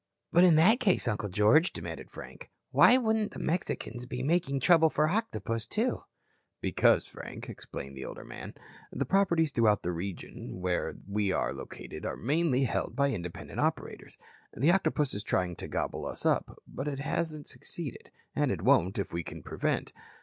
"But in that case, Uncle George," demanded Frank, "why wouldn't the Mexicans be making trouble for the Octopus, too?" "Because, Frank," explained the older man, "the properties throughout the region where we are located are mainly held by independent operators. The Octopus is trying to gobble us up, but it hasn't succeeded, and won't if we can prevent.